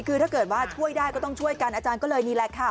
คือถ้าเกิดว่าช่วยได้ก็ต้องช่วยกันอาจารย์ก็เลยนี่แหละค่ะ